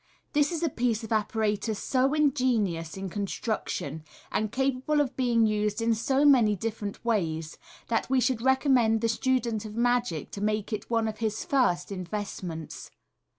— This is a piece of apparatus so ingenious in construction, and capable of being used in so many different ways, that we should recommend the student of magic to make it one of his first investments.